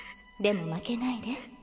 「でも負けないで」